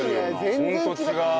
全然違う。